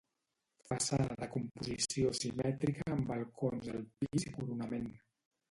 Façana de composició simètrica amb balcons al pis i coronament.